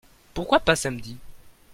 Pourquoi pas samedi ?